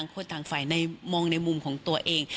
คนต่างฝ่ายมองในมุมของตัวเอง